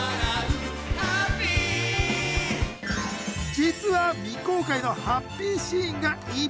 実は未公開のハッピーシーンがいっぱい！